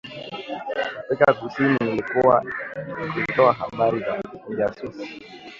Afrika kusini ilikuwa ikitoa habari za ujasusi